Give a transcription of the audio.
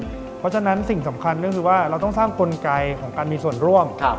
เพราะฉะนั้นสิ่งสำคัญก็คือว่าเราต้องสร้างกลไกของการมีส่วนร่วม